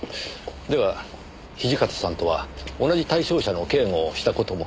では土方さんとは同じ対象者の警護をした事も？